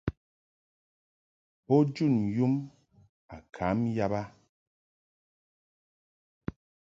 Bo jun yum a kam yab a.